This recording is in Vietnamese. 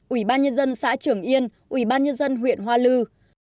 ủy ban nhân dân xã trường yên ủy ban nhân dân huyện hoa lư